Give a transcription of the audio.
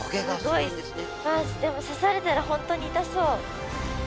あっでも刺されたら本当に痛そう。